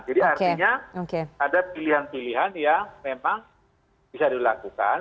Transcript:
jadi artinya ada pilihan pilihan yang memang bisa dilakukan